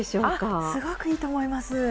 あっすごくいいと思います。